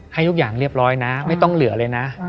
ให้ทุกอย่างเรียบร้อยนะไม่ต้องเหลือเลยนะ